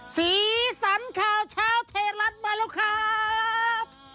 สีสันข่าวเช้าไทยรัฐมาแล้วครับ